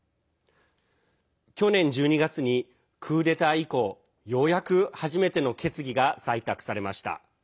去年１２月にクーデター以降ようやく、初めての決議が採択されました。